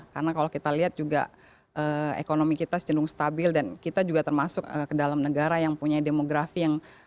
karena kalau kita lihat juga ekonomi kita secendung stabil dan kita juga termasuk ke dalam negara yang memiliki demografi